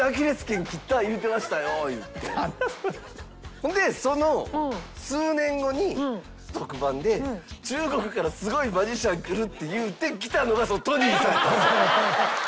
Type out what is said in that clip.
ほんでその数年後に特番で中国からすごいマジシャン来るっていうて来たのがそのトニーさんやったんですよ。